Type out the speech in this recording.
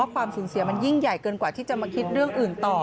ความสูญเสียมันยิ่งใหญ่เกินกว่าที่จะมาคิดเรื่องอื่นต่อ